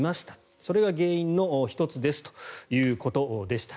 それが原因の１つですということでした。